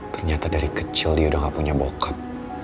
ternyata dari kecil dia udah gak punya bokat